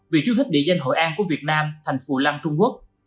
vì chiếu thích địa danh hội an của việt nam thành phù lâm trung quốc